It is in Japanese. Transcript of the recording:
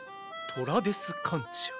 ・トラデスカンチア。